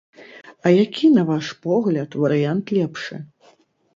А які, на ваш погляд, варыянт лепшы?